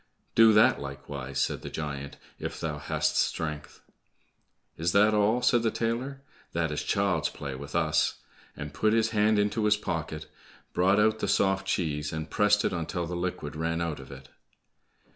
"Do that likewise," said the giant, "if thou hast strength?" "Is that all?" said the tailor, "that is child's play with us!" and put his hand into his pocket, brought out the soft cheese, and pressed it until the liquid ran out of it.